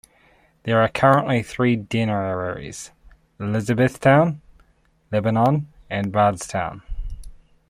There are currently three deaneries: Elizabethtown, Lebanon, and Bardstown.